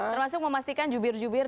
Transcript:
termasuk memastikan jubir jubir